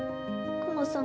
クマさん。